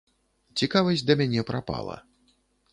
Цікавасць да мяне прапала.